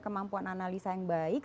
kemampuan analisa yang baik